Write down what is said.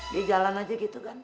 dia jalan aja gitu kan